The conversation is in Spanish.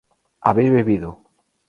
habéis bebido